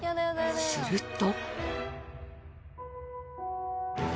すると。